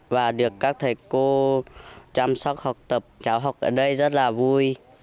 và được các thầy cô chăm sóc học tập cháu học ở đây rất là vui